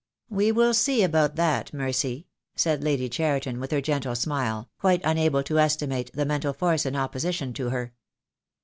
"We will see about that, Mercy," said Lady Cheriton, with her gentle smile, quite unable to estimate the mental force in opposition to her.